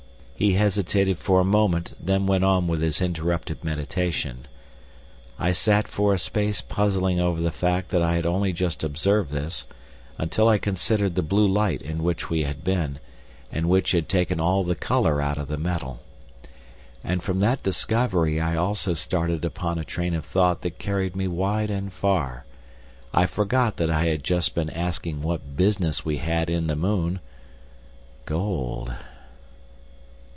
He hesitated for a moment, then went on with his interrupted meditation. I sat for a space puzzling over the fact that I had only just observed this, until I considered the blue light in which we had been, and which had taken all the colour out of the metal. And from that discovery I also started upon a train of thought that carried me wide and far. I forgot that I had just been asking what business we had in the moon. Gold....